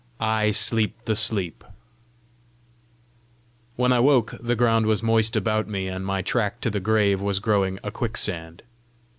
I SLEEP THE SLEEP When I woke, the ground was moist about me, and my track to the grave was growing a quicksand.